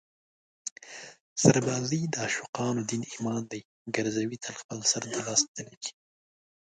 سربازي د عاشقانو دین ایمان دی ګرزوي تل خپل سر د لاس تلي کې